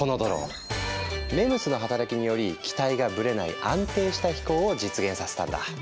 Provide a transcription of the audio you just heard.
ＭＥＭＳの働きにより機体がブレない安定した飛行を実現させたんだ。